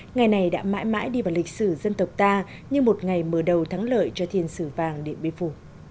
ngày này đã mãi mãi đi vào lịch sử dân tộc ta như một ngày mở đầu thắng lợi cho thiên sử vàng điện biên phủ